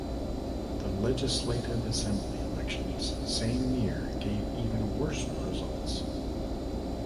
The legislative assembly elections same year gave even worse results.